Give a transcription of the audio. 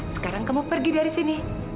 sekarang kamu pergi dari sini